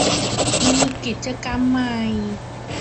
มีกิจกรรมใหม่